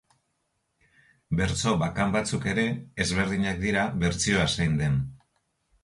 Bertso bakan batzuk ere ezberdinak dira bertsioa zein den.